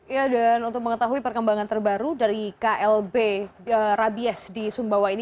ya dan untuk mengetahui perkembangan terbaru dari klb rabies di sumbawa ini